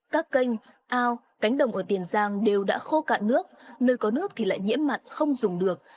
các kênh ao cánh đồng ở tiền giang đều đã khô cạn nước nơi có nước thì lại nhiễm mặn không dùng được